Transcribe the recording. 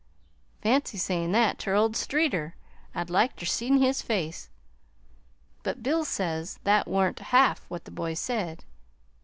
Fancy sayin' that ter old Streeter! I'd like ter seen his face. But Bill says that wa'n't half what the boy said.